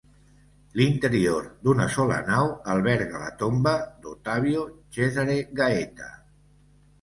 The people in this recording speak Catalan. L'interior, d'una sola nau, alberga la tomba d'Ottavio Cesare Gaeta.